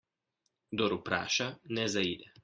Kdor vpraša, ne zaide.